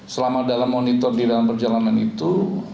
selama dalam monitor di dalam perjalanan itu